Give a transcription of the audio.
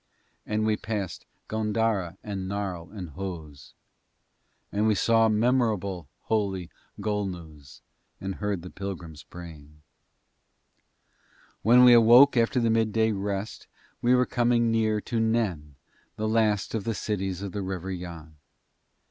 And we passed Góndara and Narl and Hoz. And we saw memorable, holy Golnuz, and heard the pilgrims praying. When we awoke after the midday rest we were coming near to Nen, the last of the cities in the River Yann.